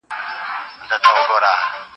يارانو ته مي بل څه نه لرل چي دوی خوشال سي